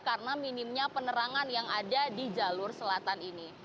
karena minimnya penerangan yang ada di jalur selatan ini